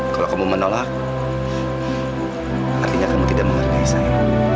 kalau kamu menolak artinya kamu tidak menghargai saya